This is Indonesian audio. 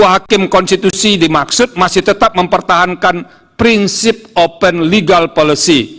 dua hakim konstitusi dimaksud masih tetap mempertahankan prinsip open legal policy